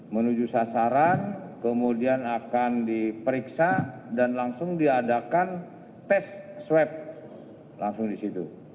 menuju sasaran kemudian akan diperiksa dan langsung diadakan tes swab langsung di situ